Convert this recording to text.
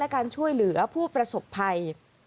การช่วยเหลือผู้ประสบภัย